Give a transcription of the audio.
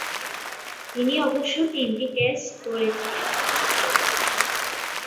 তিনি অবশ্য তিনটি ক্যাচ ধরেছিলেন।